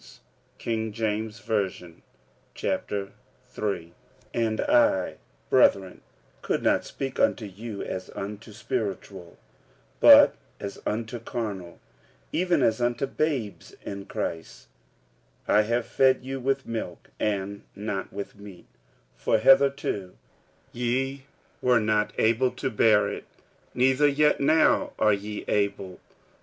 46:003:001 And I, brethren, could not speak unto you as unto spiritual, but as unto carnal, even as unto babes in Christ. 46:003:002 I have fed you with milk, and not with meat: for hitherto ye were not able to bear it, neither yet now are ye able.